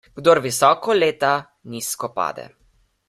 Kdor visoko leta, nizko pade.